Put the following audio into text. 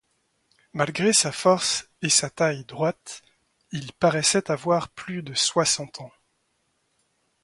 Malgré sa force et sa taille droite, il paraissait avoir plus de soixante ans.